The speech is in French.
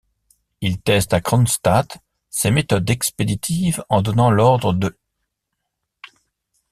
Il teste à Kronstadt ses méthodes expéditives en donnant l'ordre d'.